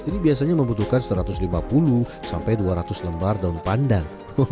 ini biasanya membutuhkan satu ratus lima puluh sampai dua ratus lembar daun pandan